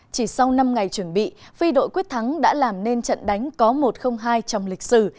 chỉ sau năm ngày chuẩn bị phi đội quyết thắng đã làm nên trận đánh có một hai trong lịch sử